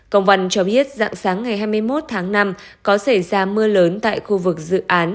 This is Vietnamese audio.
công văn cho biết dạng sáng ngày hai mươi một tháng năm có xảy ra mưa lớn tại khu vực dự án